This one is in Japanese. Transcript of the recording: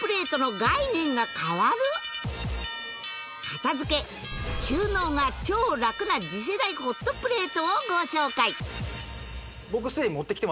片付け収納が超ラクな次世代ホットプレートをご紹介